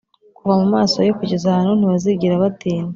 kuva mumaso ye kugeza ahantu ntibazigera batinda.